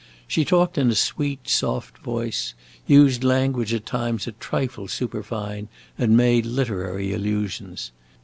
She talked in a sweet, soft voice, used language at times a trifle superfine, and made literary allusions.